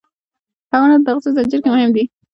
حیوانات د تغذیې زنجیر کې مهم دي.